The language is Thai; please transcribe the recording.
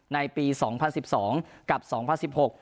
ในปีสองพันสิบสองกับสองพันสิบหก